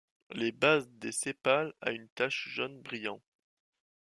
La base des sépales a une tache jaune brillant.